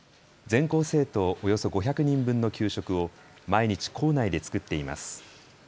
全校生徒およそ５００人分の給食を毎日校内で作っています。